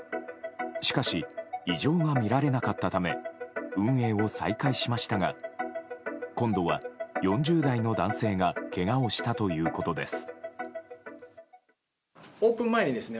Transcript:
しかし異常が見られなかったため運営を再開しましたが今度は４０代の男性がけがをしたということです。